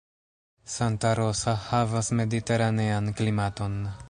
Santa Rosa havas mediteranean klimaton.